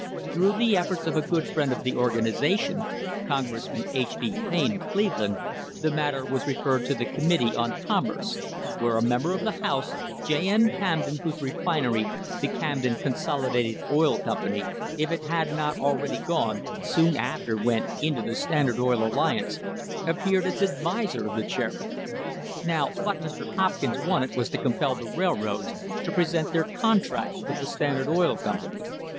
Through the efforts of a good friend of the organisation — Congressman H. B. Payne, of Cleveland — the matter was referred to the Committee on Commerce, where a member of the house, J. N. Camden, whose refinery, the Camden Consolidated Oil Company, if it had not already gone, soon after went into the Standard Oil Alliance, appeared as adviser of the chairman! Now what Mr. Hopkins wanted was to compel the railroads to present their contracts with the Standard Oil Company.